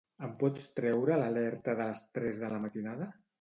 Em pots treure l'alerta de les tres de la matinada?